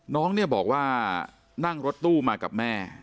น้องเนี่ยบอกว่านั่งรถตู้มากับแม่